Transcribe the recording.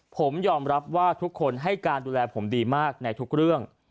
ผมยอมรับว่าทุกคนให้การดูแลผมดีมากในทุกเรื่อง